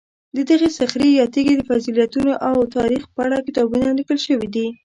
د دې صخرې یا تیږې د فضیلتونو او تاریخ په اړه کتابونه لیکل شوي.